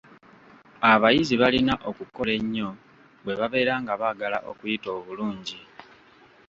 Abayizi balina okukola ennyo bwe babeera nga baagala okuyita obulungi.